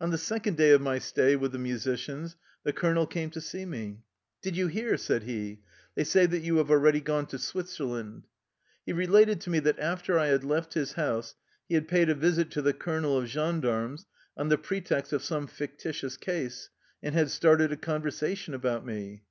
On the second day of my stay with the musi cians the colonel came to see me. " Did you hear? " said he. " They say that you have already gone to Switzerland.'' He related to me that after I had left his house he had paid a visit to the colonel of gen darmes on the pretext of some fictitious case, and had started a conversation about me.